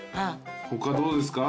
他どうですか？